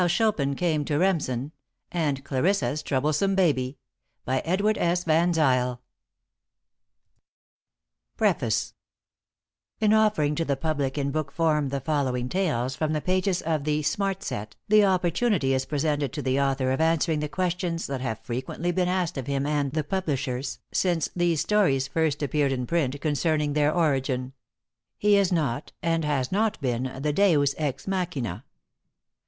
COPYRIGHTED 1903, BY THE SMART SET PUBLISHING CO. First Printing in April *PREFACE* In offering to the public in book form the following tales, from the pages of THE SMART SET, the opportunity is presented to the author of answering the questions that have frequently been asked of him and the publishers, since these stories first appeared in print, concerning their origin. He is not, and has not been, the deus ex machina.